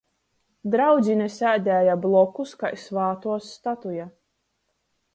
Draudzine sēdēja blokus kai svātuos statuja.